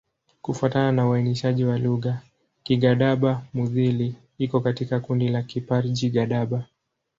Kufuatana na uainishaji wa lugha, Kigadaba-Mudhili iko katika kundi la Kiparji-Gadaba.